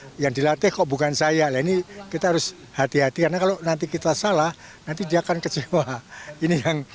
nah yang dilatih kok bukan saya ini kita harus hati hati karena kalau nanti kita salah nanti dia akan kecewa ini yang